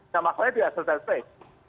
yang maksudnya tidak selesai